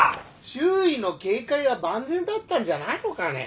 周囲の警戒は万全だったんじゃないのかね。